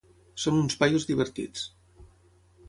"Són uns paios divertits".